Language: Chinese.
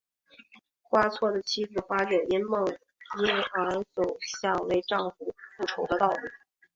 花错的妻子花景因梦因而走向为夫复仇的道路。